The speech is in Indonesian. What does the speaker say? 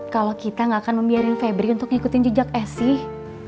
kalau kita gak akan membiarin febri untuk ngikutin jejak asih